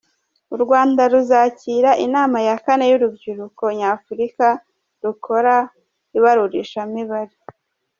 U Rwanda ruzakira inama ya kane y’urubyiruko Nyafurika rukora ibarurishamibare